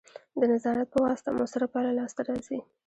د نظارت په واسطه مؤثره پایله لاسته راځي.